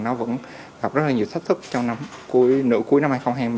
nó vẫn gặp rất là nhiều thách thức trong nửa cuối năm hai nghìn hai mươi